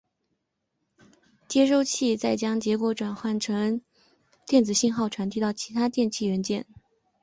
接收器再将结果转换成电子信号传递到其它的电气元件。